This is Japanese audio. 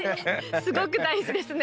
すごく大事ですね。